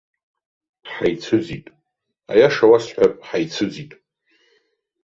Ҳаицәыӡит, аиаша уасҳәап, ҳаицәыӡит.